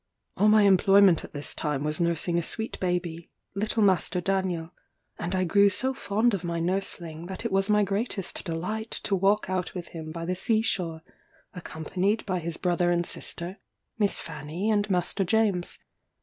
All my employment at this time was nursing a sweet baby, little Master Daniel; and I grew so fond of my nursling that it was my greatest delight to walk out with him by the sea shore, accompanied by his brother and sister, Miss Fanny and Master James.